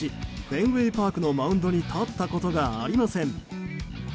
フェンウェイ・パークのマウンドに立ったことがありません。